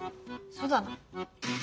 そうだな。